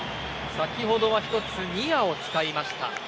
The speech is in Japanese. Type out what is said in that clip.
先ほどは１つニアを使いました。